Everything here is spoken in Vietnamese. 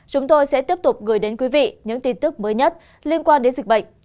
chúng tôi sẽ tiếp tục gửi đến quý vị những tin tức mới nhất liên quan đến dịch bệnh